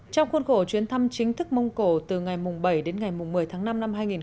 trong khuôn khổ chuyến thăm chính thức mông cổ từ ngày bảy đến ngày một mươi tháng năm năm hai nghìn hai mươi